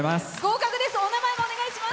お名前、お願いします。